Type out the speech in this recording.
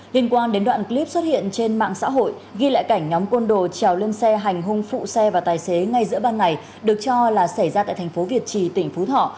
liên quan đến đoạn clip xuất hiện trên mạng xã hội ghi lại cảnh nhóm côn đồ trèo lên xe hành hung phụ xe và tài xế ngay giữa ban này được cho là xảy ra tại thành phố việt trì tỉnh phú thọ